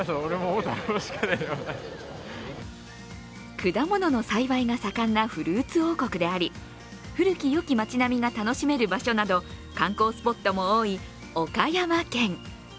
果物の栽培が盛んなフルーツ王国であり古きよき町並みが楽しめる場所など、観光スポットも多い岡山県。